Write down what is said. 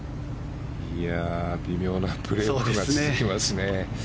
微妙なプレーオフが続きますね。